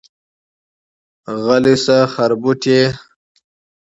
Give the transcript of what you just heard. غلی شه خربوټيه.